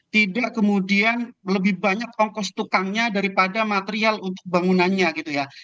tidak kemudian lebih banyak ongkos tukangnya daripada material untuk bangunannya gitu ya